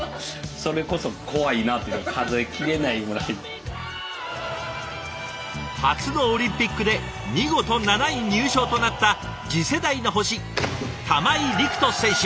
急に現れて初のオリンピックで見事７位入賞となった次世代の星玉井陸斗選手。